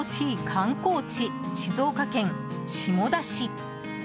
観光地静岡県下田市。